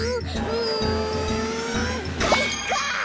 うんかいか！